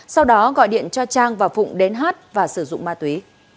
sau đó gọi điện cho trang và phụng đến hát và sử dụng ma túy